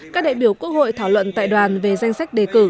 các đại biểu quốc hội thảo luận tại đoàn về danh sách đề cử